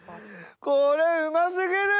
これうま過ぎる！